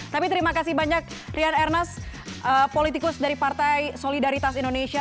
tapi terima kasih banyak rian ernest politikus dari partai solidaritas indonesia